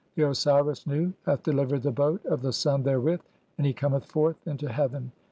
The Osiris 'Nu hath delivered the boat of the sun therewith , and 'he cometh forth (4) into heaven.